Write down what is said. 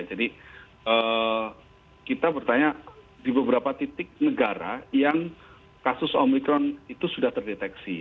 jadi kita bertanya di beberapa titik negara yang kasus omicron itu sudah terdeteksi